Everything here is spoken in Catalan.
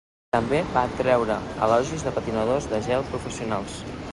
També va atreure elogis de patinadors de gel professionals.